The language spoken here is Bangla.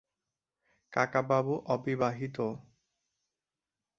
কাকাবাবু অবিবাহিত।